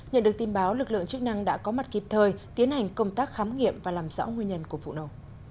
nhận được tin báo lực lượng chức năng đã có mặt kịp thời tiến hành công tác khám nghiệm và làm rõ nguyên nhân của vụ nổ